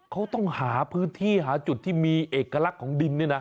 เขาต้องหาพื้นที่หาจุดที่มีเอกลักษณ์ของดินนี่นะ